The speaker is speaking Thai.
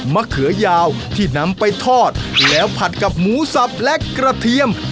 เขือยาวที่นำไปทอดแล้วผัดกับหมูสับและกระเทียม